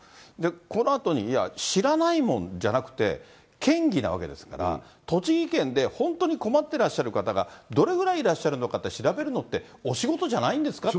このあとに、いや、知らないもんじゃなくて、県議なわけですから、栃木県で本当に困ってらっしゃる方がどれぐらいいらっしゃるのかっていうのを調べるのってお仕事じゃないんですかって。